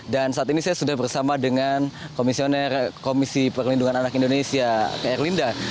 dan saat ini saya sudah bersama dengan komisioner komisi perlindungan anak indonesia ker linda